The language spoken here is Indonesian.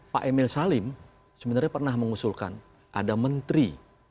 pak emil salim sebenarnya pernah mengusulkan ada menteri